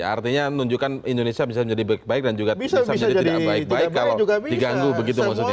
artinya menunjukkan indonesia bisa menjadi baik baik dan juga bisa menjadi tidak baik baik kalau diganggu begitu maksudnya